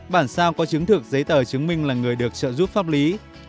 bản sao có chứng thực giấy tờ chứng minh là người được trợ giúp pháp lý